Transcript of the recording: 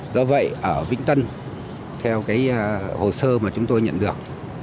do vậy ở vĩnh tân theo cái hồ sơ mà chúng tôi nhận được